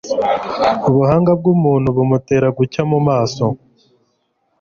ubuhanga bw'umuntu bumutera gucya mu maso